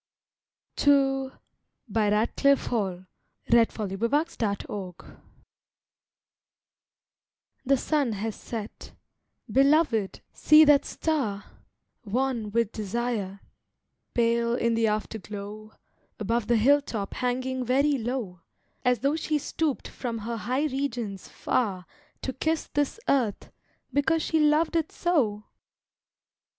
y requite, How much have we missed, we two! TO —— The sun has set; Beloved see that star, Wan with desire, pale in the afterglow, Above the hill top hanging very low, As though she stooped from her high regions far To kiss this earth, because she loved it so!